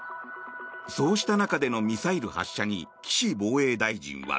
そうした中でのミサイル発射に岸防衛大臣は。